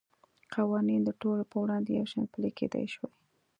قوانین د ټولو په وړاندې یو شان پلی کېدای شوای.